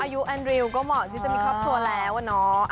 โอ้อายุอันดริวก็เหมาะที่จะมีครอบทัวร์แล้วอ่ะเนาะ